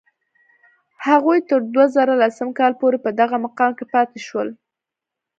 هغوی تر دوه زره لسم کال پورې په دغه مقام کې پاتې شول.